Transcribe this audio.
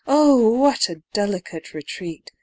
O what a delicate retreat!